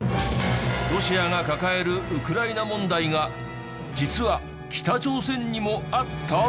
ロシアが抱えるウクライナ問題が実は北朝鮮にもあった！？